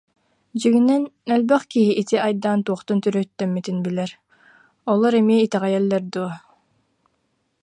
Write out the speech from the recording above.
Дьиҥинэн, элбэх киһи ити айдаан туохтан төрүөттэммитин билэр, олор эмиэ итэҕэйэллэр дуо